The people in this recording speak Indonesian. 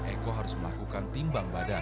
eko harus melakukan timbang badan